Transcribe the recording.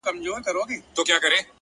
صبر د سترو لاسته راوړنو شرط دی!.